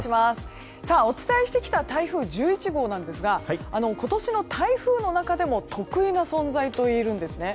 お伝えしてきた台風１１号ですが今年の台風の中でも特異な存在といえるんですね。